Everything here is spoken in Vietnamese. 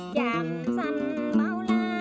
chạm xanh bao la